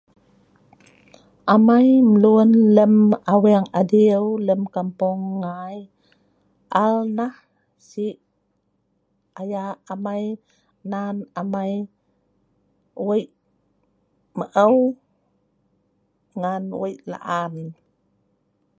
Amai mluen lem aweeng adiu lem Kampong ngai, al nah, si aya' amai nan amai wei maou ngan amai wei la'an